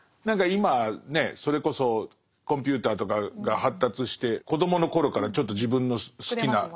何か今ねそれこそコンピューターとかが発達して子どもの頃からちょっと自分の好きな。